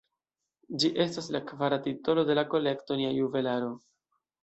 Ĝi estas la kvara titolo de la kolekto Nia Juvelaro.